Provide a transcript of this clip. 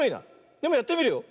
でもやってみるよ。